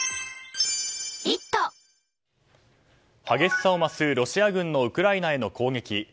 激しさを増すロシア軍のウクライナへの攻撃。